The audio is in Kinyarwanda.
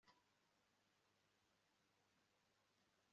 niwowe utuma inzozi zanjye ziba impamo